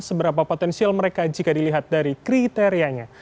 seberapa potensial mereka jika dilihat dari kriterianya